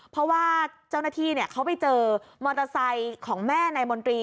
เพราะว่าเจ้าหน้าที่เขาไปเจอมอเตอร์ไซค์ของแม่นายมนตรี